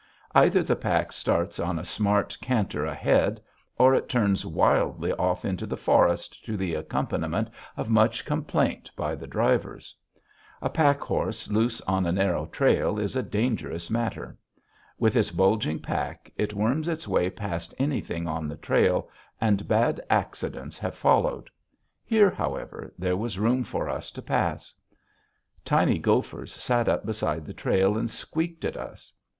Either the pack starts on a smart canter ahead, or it turns wildly off into the forest to the accompaniment of much complaint by the drivers. A pack horse loose on a narrow trail is a dangerous matter. With its bulging pack, it worms its way past anything on the trail, and bad accidents have followed. Here, however, there was room for us to pass. Tiny gophers sat up beside the trail and squeaked at us.